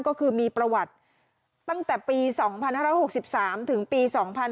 ก็คือมีประวัติตั้งแต่ปี๒๕๖๓ถึงปี๒๕๕๙